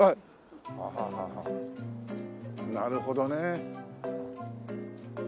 なるほどね。